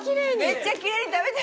めっちゃきれいに食べてる！